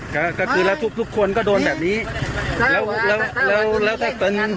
ครับก็คือแล้วทุกทุกคนก็โดนแบบนี้แล้วแล้วแล้วแล้วถ้าเติ้ล